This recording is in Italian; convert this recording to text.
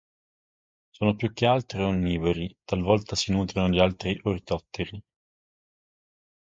Sono più che altro onnivori, talvolta si nutrono di altri ortotteri.